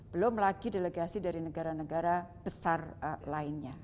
belum lagi delegasi dari negara negara besar lainnya